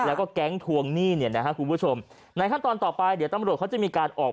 แล้วก็แก๊งทวงหนี้เนี่ยนะฮะคุณผู้ชมในขั้นตอนต่อไปเดี๋ยวตำรวจเขาจะมีการออก